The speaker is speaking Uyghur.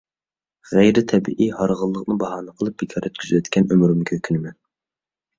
غەيرىي تەبىئىي «ھارغىنلىق »نى باھانە قىلىپ بىكار ئۆتكۈزۈۋەتكەن ئۆمرۈمگە ئۆكۈنىمەن.